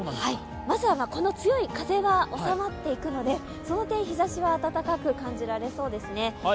まずはこの強い風は収まっていくので、その点、日ざしは暖かく感じられそうですね。